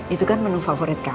itu kan menu favorit kami